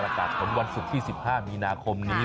ประกาศผลวันศุกร์ที่๑๕มีนาคมนี้